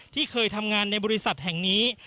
ที่เคยทำงานในบริษัทแห่งนี้